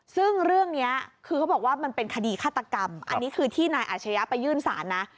ซึ่งเรื่องนี้คือเขาบอกว่ามันเป็นคดีฆาตกรรมอันนี้คือที่นายอาชญะไปยื่นศาลนะ